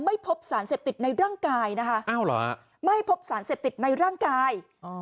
ไม่พบสารเสพติดในร่างกายนะคะไม่พบสารเสพติดในร่างกาย